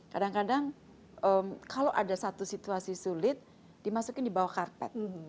kadang kadang kalau ada satu situasi sulit dimasukin di bawah karpet